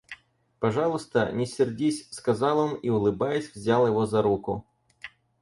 Пожалуйста, не сердись, — сказал он и улыбаясь взял его за руку.